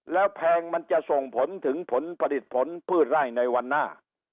แล้วแพงมันจะส่งผลถึงผลผลิตผลพืชไร่ในวันหน้า